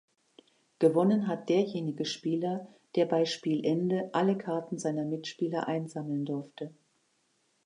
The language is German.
Gewonnen hat derjenige Spieler, der bei Spielende alle Karten seiner Mitspieler einsammeln durfte.